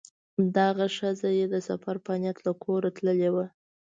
دغه ښځه یې د سفر په نیت له کوره تللې وه.